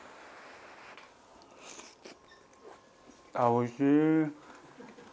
おいしい。